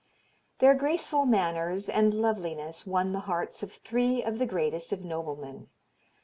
Their graceful manners and loveliness won the hearts of three of the greatest of noblemen.